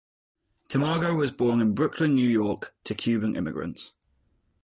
Tamargo was born in Brooklyn, New York, to Cuban immigrants.